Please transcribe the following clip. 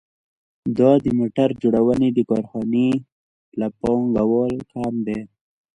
دا د موټر جوړونې د کارخانې له پانګوال کم دی